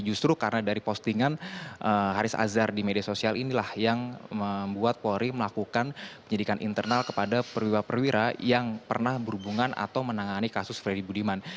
justru karena dari postingan haris azhar di media sosial inilah yang membuat polri melakukan penyidikan internal kepada perwira perwira yang pernah berhubungan atau menangani kasus freddy budiman